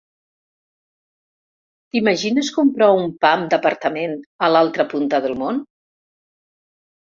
T'imagines comprar un pam d'apartament a l'altra punta del món?